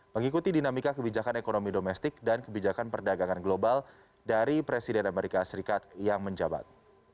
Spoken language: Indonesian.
mengikuti dinamika kebijakan ekonomi domestik dan kebijakan perdagangan global dari presiden amerika serikat yang menjabat